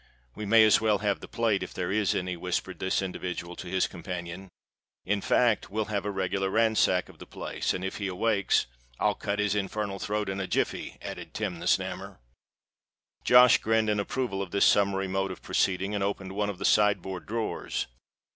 "We may as well have the plate, if there is any," whispered this individual to his companion. "In fact, we'll have a regular ransack of the place; and if he awakes——" "I'll cut his infernal throat in a jiffey," added Tim the Snammer. Josh grinned an approval of this summary mode of proceeding, and opened one of the side board drawers.